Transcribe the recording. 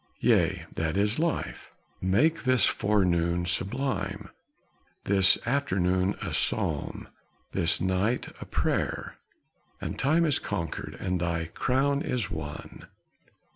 Yea, that is Life: make this forenoon sublime, This afternoon a psalm, this night a prayer, And Time is conquered, and thy crown is won.